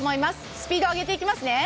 スピード上げていきますね。